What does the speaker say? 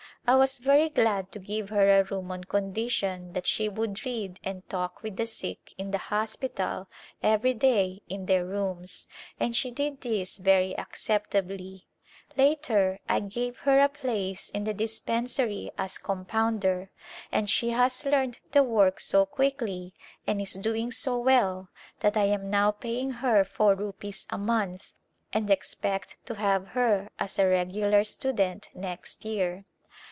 I was very glad to give her a room on condition that she would read and talk with the sick in the hospital every day in their rooms, and she did this very acceptably. Later I A Glimpse of India gave her a place in the dispensary as compounder and she has learned the work so quickly and is doing so well that I am now paying her four rupees a month, and expect to have her as a regular student next year.